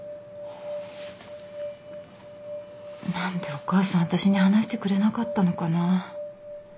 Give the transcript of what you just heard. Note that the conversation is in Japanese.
何でお母さんわたしに話してくれなかったのかな。